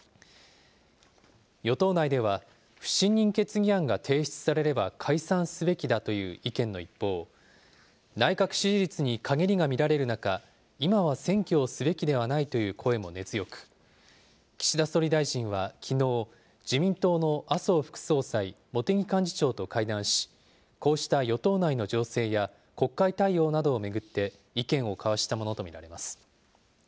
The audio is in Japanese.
与党内では、不信任決議案が提出されれば解散すべきだという意見の一方、内閣支持率にかげりが見られる中、今は選挙をすべきではないという声も根強く、岸田総理大臣はきのう、自民党の麻生副総裁、茂木幹事長と会談し、こうした与党内の情勢や、国会対応などを巡って意見を交わしたものと見られます。